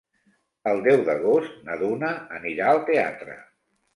El deu d'agost na Duna anirà al teatre.